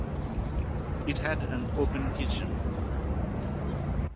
It had an open kitchen.